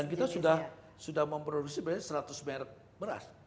dan kita sudah memproduksi beras seratus mert beras